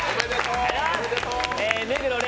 目黒蓮